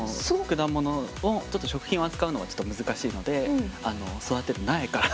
果物をちょっと食品を扱うのはちょっと難しいので育てる苗から。